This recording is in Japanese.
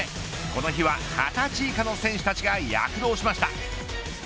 この日は２０歳以下の選手たちが躍動しました。